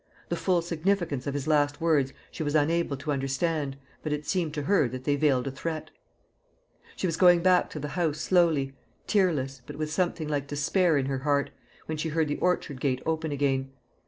The full significance of his last words she was unable to understand, but it seemed to her that they veiled a threat. She was going back to the house slowly, tearless, but with something like despair in her heart, when she heard the orchard gate open again.